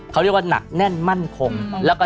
เขาเรียกว่าหนักแน่นมั่นคง